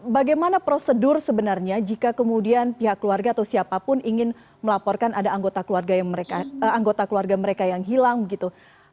bagaimana prosedur sebenarnya jika kemudian pihak keluarga atau siapapun ingin melaporkan ada anggota keluarga mereka yang hilang begitu